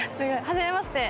初めまして。